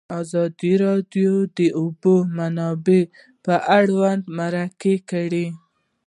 ازادي راډیو د د اوبو منابع اړوند مرکې کړي.